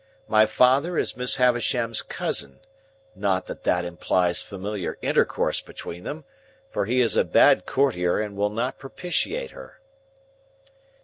My father is Miss Havisham's cousin; not that that implies familiar intercourse between them, for he is a bad courtier and will not propitiate her."